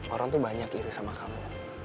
orang tuh banyak iris sama kamu